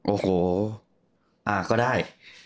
โอ้โหอ่า็ก็ได้